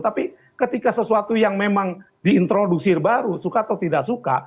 tapi ketika sesuatu yang memang diintroduksi baru suka atau tidak suka